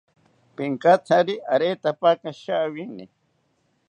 Pinkatsari aretapaka shawini